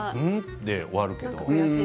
で終わるけど。